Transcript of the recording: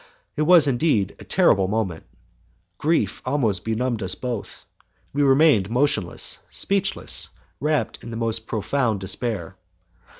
It was indeed a terrible moment! Grief almost benumbed us both. We remained motionless, speechless, wrapped up in the most profound despair.